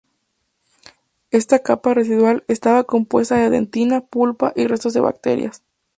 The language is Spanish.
Esta capa residual estaba compuesta de dentina, pulpa y restos de bacterias.